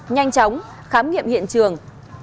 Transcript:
nhanh chóng khám nghiệm hiện trường